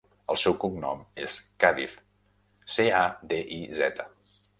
El seu cognom és Cadiz: ce, a, de, i, zeta.